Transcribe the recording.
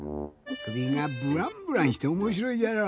くびがぶらんぶらんしておもしろいじゃろ。